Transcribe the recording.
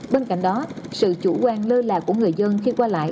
bên cạnh đó sự chủ quan lơ là của người dân khi qua lại